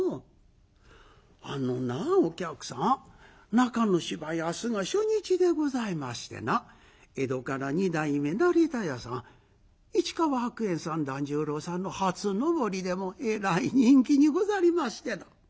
「あのなあお客さん中の芝居明日が初日でございましてな江戸から二代目成田屋さん市川白猿さん團十郎さんの初上りでえらい人気にござりましてな」。